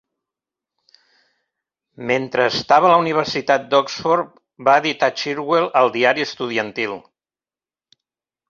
Mentre estava a la Universitat d'Oxford, va editar "Cherwell", el diari estudiantil.